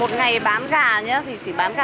kê gà là thế giới đầu tư